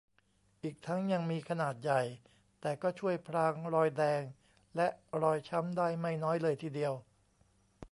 อีกทั้งยังมีขนาดใหญ่ แต่ก็ช่วยพรางรอยแดง และรอยช้ำได้ไม่น้อยเลยทีเดียว